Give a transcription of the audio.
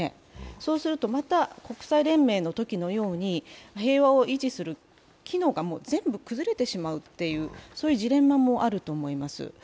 そうするとまた国際連盟のときのように平和を維持する機能が全部崩れてしまうというジレンマもあると思います。